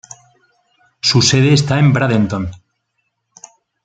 Su sede está en Bradenton.